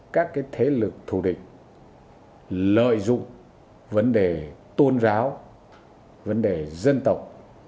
các thế lực thủ địch lợi dụng vấn đề tuôn ráo vấn đề dân tộc